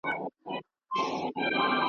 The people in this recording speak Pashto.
چي تر څو وطن ځنګل وي، د لېوانو حکومت وي ,